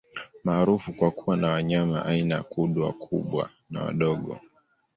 Maarufu kwa kuwa na wanyama aina ya Kudu wakubwa na wadogo